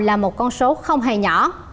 là một con số không hề nhỏ